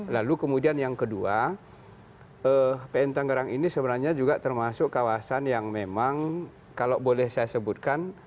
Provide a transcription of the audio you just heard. lalu kemudian yang kedua pn tangerang ini sebenarnya juga termasuk kawasan yang memang kalau boleh saya sebutkan